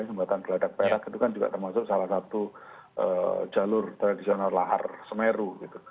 jembatan geladak perak itu kan juga termasuk salah satu jalur tradisional lahar semeru